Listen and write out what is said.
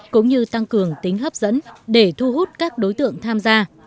cũng như tăng cường tính hấp dẫn để thu hút các đối tượng tham gia